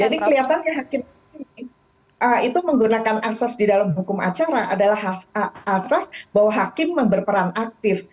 jadi kelihatannya hakim itu menggunakan asas di dalam hukum acara adalah asas bahwa hakim berperan aktif